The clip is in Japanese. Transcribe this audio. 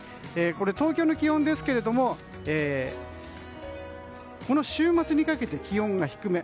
東京の気温ですがこの週末にかけて気温が低め。